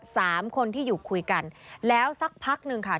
สามคนที่อยู่คุยกันแล้วสักพักหนึ่งค่ะ